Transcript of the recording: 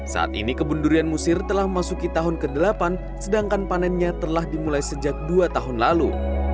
saat ini kebun durian musir telah memasuki tahun ke delapan sedangkan panennya telah dimulai sejak dua tahun lalu